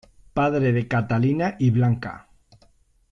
Padre de Catalina y Blanca.